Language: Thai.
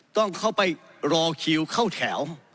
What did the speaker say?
ต้องเข้าไปรอคิวเข้าแถว